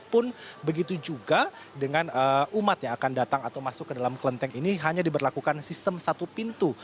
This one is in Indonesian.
pun begitu juga dengan umat yang akan datang atau masuk ke dalam kelenteng ini hanya diberlakukan sistem satu pintu